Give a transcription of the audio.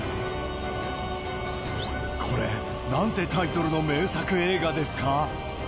これ、なんてタイトルの名作映画ですか？